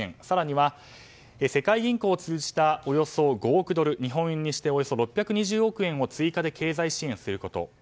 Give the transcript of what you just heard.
更には世界銀行を通じたおよそ５億ドル日本円にしておよそ６２０億円を追加で経済支援すること。